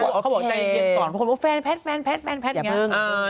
คนพูดว่าแฟนอย่างนั้น